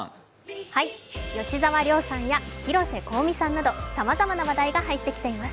吉沢亮さんや広瀬香美さんなどさまざまな話題が入ってきています。